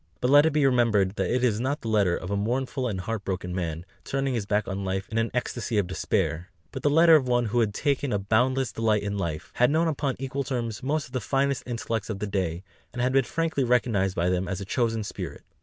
But let it be remembered that it is not the letter of a mournful and heart broken man, turning his back on life in an ecstasy of despair; but the letter of one who had taken a boundless delight in life, had known upon equal terms most of the finest intellects of the day, and had been frankly recognised by them as a chosen spirit.